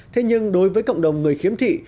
thế nhưng đối với cộng đồng người khiếm thị